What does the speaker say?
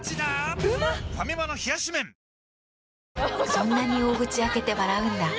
そんなに大口開けて笑うんだ。